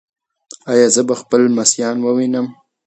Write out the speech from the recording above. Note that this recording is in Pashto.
ایا زه به خپل لمسیان ووینم؟